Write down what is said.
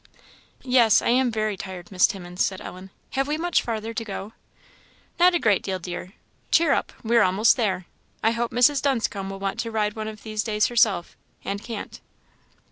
"Yes, I am very tired, Miss Timmins," said Ellen; "have we much farther to go?" "Not a great deal, dear; cheer up! we are almost there. I hope Mrs. Dunscombe will want to ride one of these days herself, and can't."